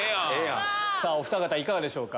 おふた方いかがでしょうか？